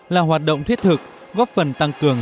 là hoạt động thiết thực góp phần tăng cường